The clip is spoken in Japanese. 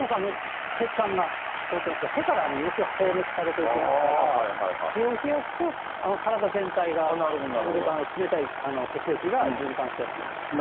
血管が通ってますから、手から熱が放熱されていきますから、手を冷やすと体全体が、なるべく冷たい血液が循環しやすくなると。